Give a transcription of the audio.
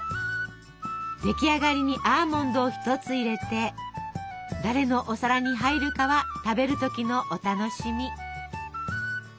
出来上がりにアーモンドを一つ入れて誰のお皿に入るかは食べる時のお楽しみ。